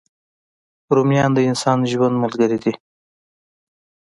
رومیان د انساني ژوند ملګري دي